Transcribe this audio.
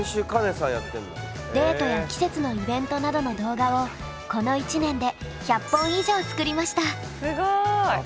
デートや季節のイベントなどの動画をこの１年で１００本以上作りました。